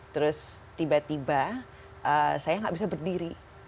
terus tiba tiba saya nggak bisa berdiri